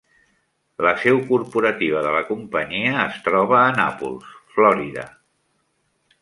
La seu corporativa de la companyia es troba a Nàpols, Florida.